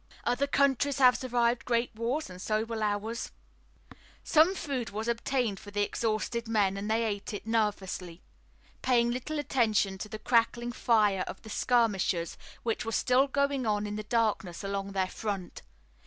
"Other countries have survived great wars and so will ours." Some food was obtained for the exhausted men and they ate it nervously, paying little attention to the crackling fire of the skirmishers which was still going on in the darkness along their front.